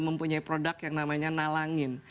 mempunyai produk yang namanya nalangin